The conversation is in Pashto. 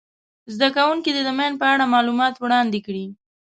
زده کوونکي دې د ماین په اړه معلومات وړاندي کړي.